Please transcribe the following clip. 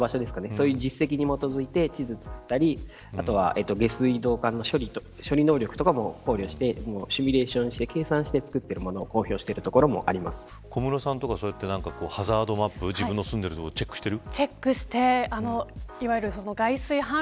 そういう実績に基づいて地図を作ったりあとは下水道管の処理能力も考慮してシミュレーションして計算して作っているものを小室さんとか、ハザードマップ自分の住んでる所チェックしている。